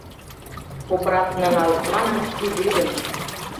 Обратно налыт манын, ти лӱдын.